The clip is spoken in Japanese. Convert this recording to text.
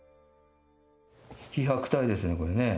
飛白体ですね、これね。